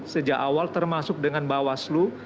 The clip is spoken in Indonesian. sejak awal termasuk dengan bawaslu